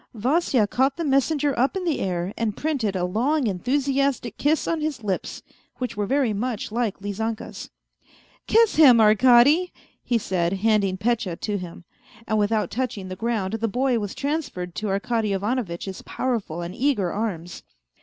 Vasya caught the messenger up in the air and printed a long, enthusiastic kiss on his lips, which were very much like Lizanka's. " Kiss him, Arkady," he said handing Petya to him, and with out touching the ground the boy was transferred to Arkady Ivanovitch's powerful and eager arms.